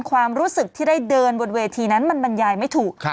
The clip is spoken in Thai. ความรู้สึกที่ได้เดินบนเวทีนั้นมันบรรยายไม่ถูก